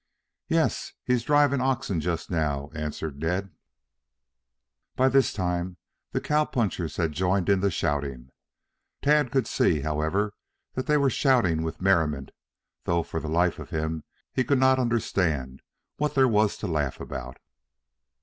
"Yes. He's driving oxen just now," answered Ned. By this time the cowpunchers had joined in the shouting. Tad could see, however, that they were shouting with merriment, though for the life of him he could not understand what there was to laugh about.